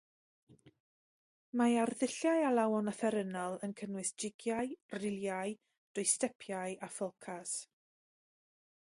Mae arddulliau alawon offerynnol yn cynnwys jigiau, riliau, dwystepiau, a pholcas.